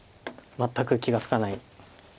全く気が付かない手です。